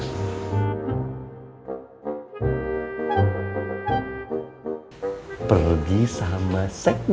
kamu harus pergi sama si iloy